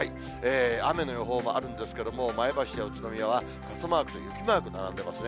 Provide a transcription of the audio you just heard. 雨の予報もあるんですけれども、前橋や宇都宮は傘マークと、雪マーク並んでますね。